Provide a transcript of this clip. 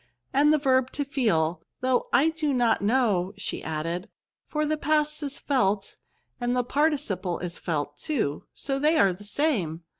And the verb tofeely — though I do not know," added she, for the past isfelt^ and the participle is felt too, so they axe the same."